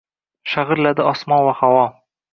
Shag’irlardi osmon va havo.